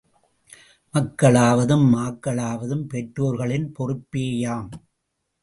மக்களாவதும் மாக்களாவதும் பெற்றோர்களின் பொறுப் பேயாம்.